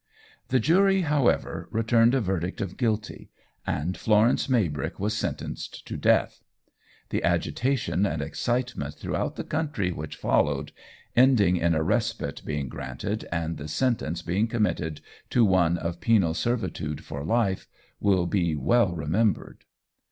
The jury, however, returned a verdict of "Guilty," and Florence Maybrick was sentenced to death. The agitation and excitement throughout the country which followed, ending in a respite being granted and the sentence being commuted to one of penal servitude for life, will be well remembered.